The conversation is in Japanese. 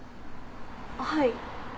はい。